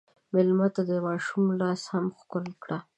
مېلمه ته د ماشوم لاس هم ښکل کړه.